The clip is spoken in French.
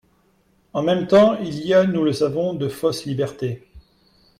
En même temps, il y a, nous le savons, de fausses libertés.